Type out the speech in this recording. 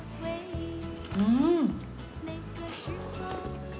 うん！